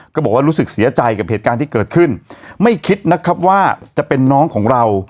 ก็บอกว่ารู้สึกเสียใจกับเหตุการณ์ที่เกิดขึ้นไม่คิดนะครับว่าจะเป็นน้องของเรา